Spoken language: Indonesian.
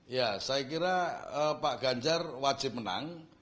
ya saya kira pak ganjar wajib menang